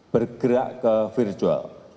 bergerak ke virtual